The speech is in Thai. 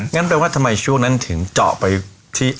อย่างนั้นก็เพราะว่าทำไมช่วงนั้นครับถึงจเจาะไปที่